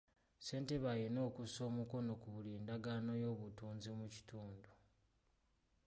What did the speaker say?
Ssentebe alina okussa omukono ku buli ndagaano y'obutunzi mu kitundu.